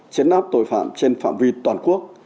chấn áp tội phạm trên phạm vi toàn quốc